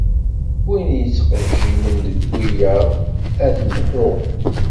Win yettqejjimen deg wiyaḍ, ad t-mḥuɣ.